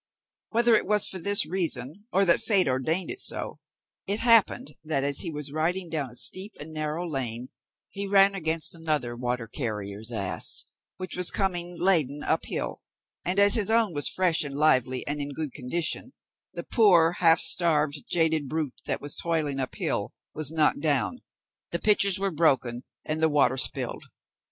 Whether it was for this reason, or that fate ordained it so, it happened that as he was riding down a steep and narrow lane, he ran against another water carrier's ass, which was coming, laden, up hill; and, as his own was fresh and lively and in good condition, the poor, half starved, jaded brute that was toiling up hill, was knocked down, the pitchers were broken, and the water spilled.